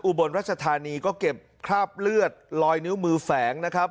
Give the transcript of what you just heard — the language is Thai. บนรัชธานีก็เก็บคราบเลือดลอยนิ้วมือแฝงนะครับ